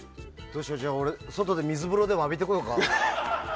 じゃあ俺外で水風呂でも浴びてこようか？